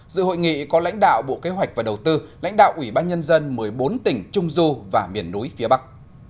dự hội nghị có lãnh đạo bộ kế hoạch và đầu tư lãnh đạo ủy ban nhân dân một mươi bốn tỉnh trung du và miền núi phía bắc